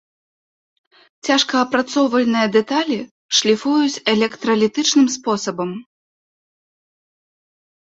Цяжкаапрацоўвальныя дэталі шліфуюць электралітычным спосабам.